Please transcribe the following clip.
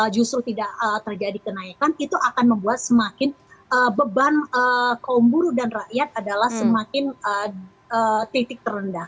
justru tidak terjadi kenaikan itu akan membuat semakin beban kaum buruh dan rakyat adalah semakin titik terendah